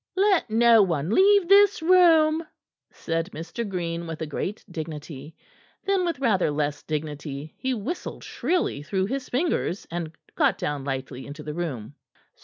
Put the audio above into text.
"Let no one leave this room," said Mr. Green with a great dignity. Then, with rather less dignity, he whistled shrilly through his fingers, and got down lightly into the room.